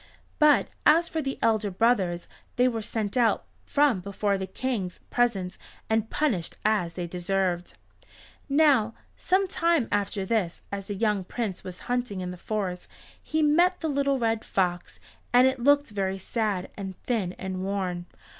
But as for the elder brothers they were sent out from before the King's presence and punished as they deserved. Now some time after this as the young Prince was hunting in the forest he met the little red fox, and it looked very sad and thin and worn.